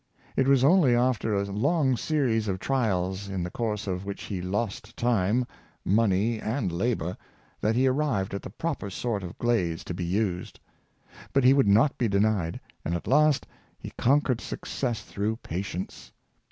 It was only after a long series of trials, in the course of which he lost time, money, and labor, that he arrived at the proper sort of glaze to be used; but he would not be denied, and at last he conquered success through patience.